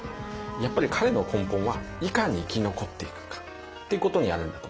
やっぱり彼の根本はいかに生き残っていくかっていうことにあるんだと思いますね。